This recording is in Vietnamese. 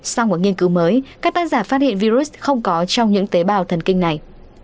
sau một nghiên cứu mới các tác giả phát hiện virus không có trong những tế bào thần kinh này